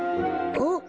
あっ？